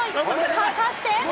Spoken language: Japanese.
果たして？